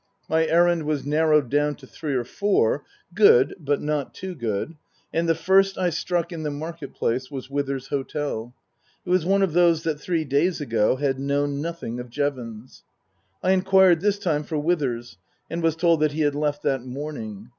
My errand was narrowed down to three or four (good, but not too good), and the first I struck in the Market Place was Withers's hotel. It was one of those that three days ago had known nothing of Jevons. I inquired this time for Withers and was told that he had left that morning.